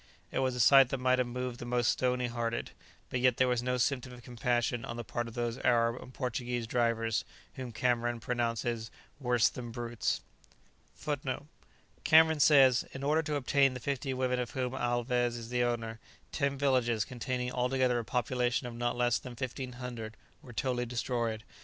It was a sight that might have moved the most stony hearted, but yet there was no symptom of compassion on the part of those Arab and Portuguese drivers whom Cameron pronounces "worse than brutes." [Footnote 1: Cameron says, "In order to obtain the fifty women of whom Alvez is the owner, ten villages, containing altogether a population of not less than 1500, were totally destroyed.